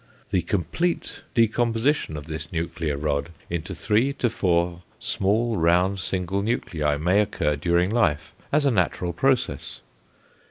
The complete decomposition of this nuclear rod into three to four small round single nuclei may occur during life, as a natural process.